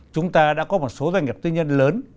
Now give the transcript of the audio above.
chúng ta đã có một số doanh nghiệp tư nhân lớn